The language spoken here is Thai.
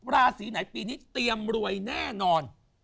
ราศีไหนปีนี้เตรียมรวยแน่นอน